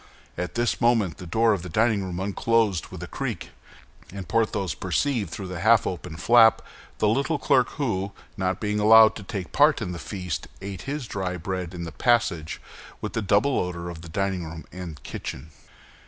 At this moment the door of the dining room unclosed with a creak, and Porthos perceived through the half open flap the little clerk who, not being allowed to take part in the feast, ate his dry bread in the passage with the double odor of the dining room and kitchen.